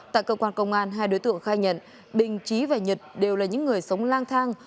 tại cơ quan công an hai đối tượng khai nhận bình trí và nhật đều là những người sống lang thang